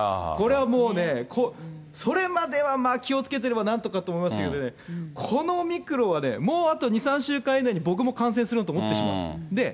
これはもうね、それまでは気をつけてればなんとかと思いますけどもね、このオミクロンはね、もうあと２、３週間以内に僕も感染すると思ってしまう。